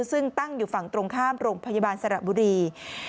ซึ่งตั้งอยู่ฝั่งตรงข้ามโรงพยาบาลสระบุรี